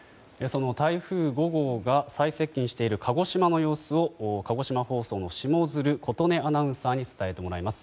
その台風５号が最接近している鹿児島の様子を鹿児島放送の下鶴琴音アナウンサーに伝えてもらいます。